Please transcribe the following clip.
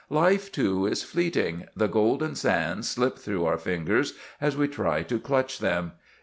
Life, too, is fleeting; the golden sands slip through our fingers as we try to clutch them.